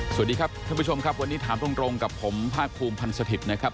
สวัสดีครับท่านผู้ชมครับวันนี้ถามตรงกับผมภาคภูมิพันธ์สถิตย์นะครับ